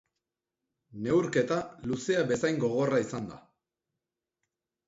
Neurketa luzca bezain gogorra izan da.